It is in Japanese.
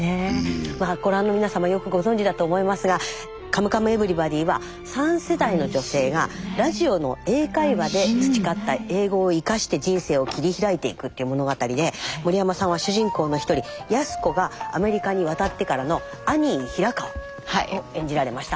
まあご覧の皆様よくご存じだと思いますが「カムカムエヴリバディ」は３世代の女性がラジオの英会話で培った英語を生かして人生を切り開いていくっていう物語で森山さんは主人公の一人安子がアメリカに渡ってからのアニー・ヒラカワを演じられました。